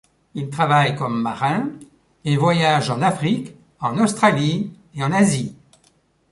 Il travaille comme marin et voyage en Afrique, en Australie et en Asie.